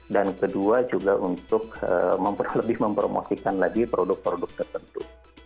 dan kedua juga untuk mempromosikan lagi produk produk tertentu